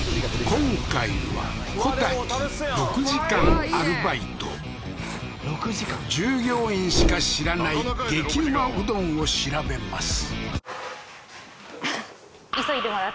今回は小瀧６時間アルバイト従業員しか知らない激ウマうどんを調べます